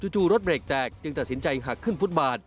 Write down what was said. จู่รถเบรกแตกจึงตัดสินใจหักขึ้นฟุตบาท